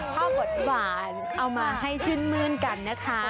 พ่อหดฝาเอามาให้ชื่นมืนกันนะคะ